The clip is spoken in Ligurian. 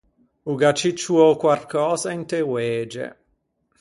O gh’à ciccioou quarcösa inte oege.